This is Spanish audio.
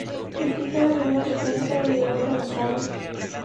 Es hija de una británica y de un gaditano.